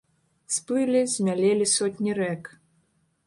Сплылі, змялелі сотні рэк.